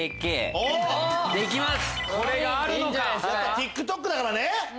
ＴｉｋＴｏｋだからね！